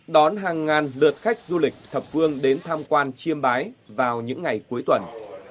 đón hàng ngàn lượt khách du lịch thập phương đến tham quan chiêm bái vào những ngày cuối tuần